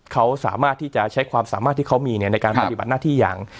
เขาสามารถที่จะใช้ความสามารถที่เขามีในการปฏิบัติหน้าที่อย่าง